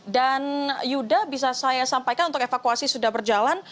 dan yuda bisa saya sampaikan untuk evakuasi sudah berjalan